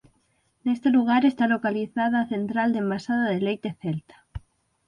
Neste lugar está localizada a central de envasado de Leite Celta.